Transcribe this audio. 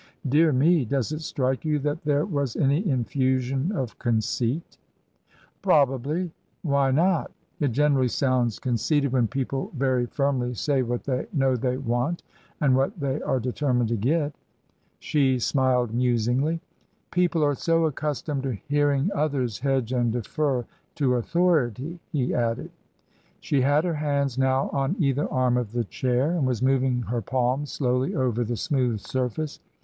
'• Dear me ! Does it strike you that there was any infusion of conceit ?"" Probably. Why not ? It generally sounds conceited when people very firmly say what they know they want and what they are determined to get." She smiled musingly. " People are so accustomed to hearing others hedge and defer to authority," he added. She had her hands now on either arm of the chair and was moving her palms slowly over the smooth surface.